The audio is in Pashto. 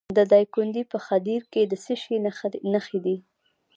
د دایکنډي په خدیر کې د څه شي نښې دي؟